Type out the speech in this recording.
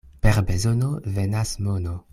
Per bezono venas mono.